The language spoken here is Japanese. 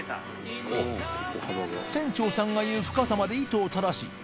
船長さんが言う深さまで糸を垂らし）